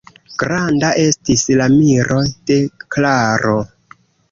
Granda estis la miro de Klaro.